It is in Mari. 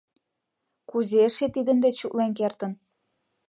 Кузе эше тидын деч утлен кертын.